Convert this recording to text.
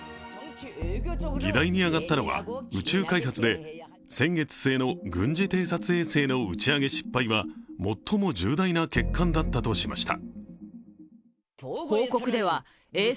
議題に上がったのは宇宙開発で先月末の軍事偵察衛星の打ち上げ失敗は最も重大な欠陥だったとしました。